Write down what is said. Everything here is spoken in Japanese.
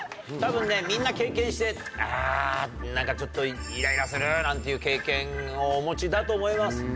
たぶんねみんな経験して「あぁ何かちょっとイライラする」なんていう経験をお持ちだと思います。